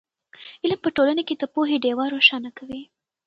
علم په ټولنه کې د پوهې ډېوه روښانه کوي.